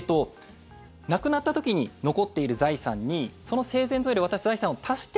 亡くなった時に残っている財産にその生前贈与で渡した財産を足して。